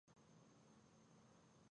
لومړی پړاو د بحران دوره ګڼل کېږي